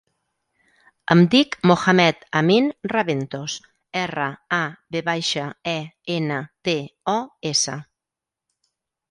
Em dic Mohamed amin Raventos: erra, a, ve baixa, e, ena, te, o, essa.